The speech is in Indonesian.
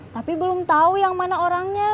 tapi belum tahu yang mana orangnya